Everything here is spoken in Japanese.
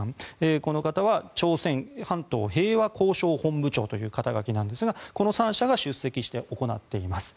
この方は朝鮮半島平和交渉本部長という肩書ですがこの３者が出席して行われています。